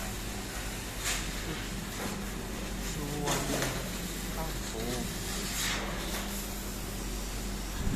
Tut suu wann ha vooʼo.